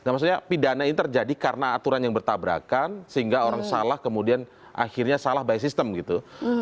nah maksudnya pidana ini terjadi karena aturan yang bertabrakan sehingga orang salah kemudian akhirnya salah by system gitu